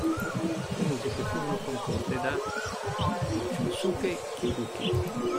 Le musiche furono composte da Shunsuke Kikuchi.